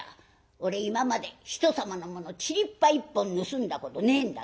俺今まで人様のものちりっぱ一本盗んだことねえんだぜ」。